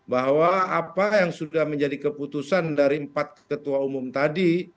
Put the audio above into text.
bahwa apa yang sudah menjadi keputusan dari empat ketua umum tadi